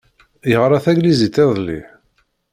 Yeɣṛa taglizit iḍelli?